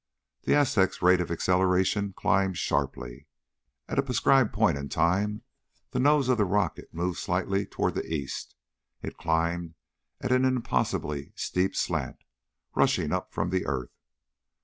The Aztec's rate of acceleration climbed sharply. At a prescribed point in time the nose of the rocket moved slightly toward the east. It climbed at an impossibly steep slant, rushing up from the earth.